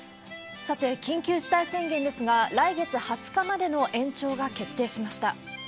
さて、緊急事態宣言ですが、来月２０日までの延長が決定しました。